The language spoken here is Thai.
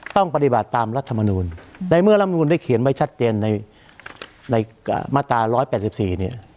ต้องปฏิบัติตามรัฐมนูลในเมื่อลำนูนได้เขียนไว้ชัดเจนในมาตรา๑๘๔เนี่ย